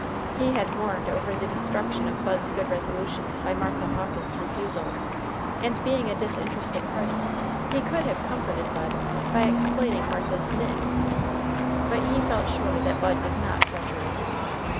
He had mourned over the destruction of Bud's good resolutions by Martha Hawkins's refusal, and being a disinterested party he could have comforted Bud by explaining Martha's "mitten." But he felt sure that Bud was not treacherous.